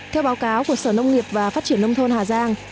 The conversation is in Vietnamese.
theo báo cáo của sở nông nghiệp và phát triển nông thôn hà giang